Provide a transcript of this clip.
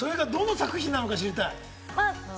それがどの作品なのか知りたい。